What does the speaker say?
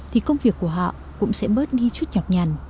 thì công việc của họ cũng sẽ bớt đi chút nhọc nhằn